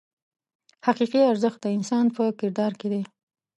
حقیقي ارزښت د انسان په کردار کې دی.